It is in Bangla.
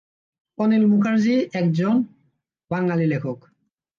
অনিল মুখার্জি একজন বাঙালি লেখক।